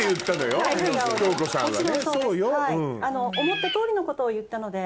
思った通りのことを言ったので。